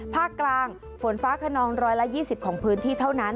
ภาคกลางฝนฟ้าขนอง๑๒๐ของพื้นที่เท่านั้น